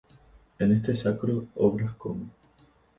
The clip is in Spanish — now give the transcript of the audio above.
En Arte Sacro, obras como